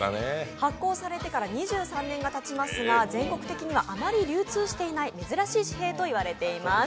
発行されてから２３年がたちますが全国的には流通していない珍しい紙幣と言われています。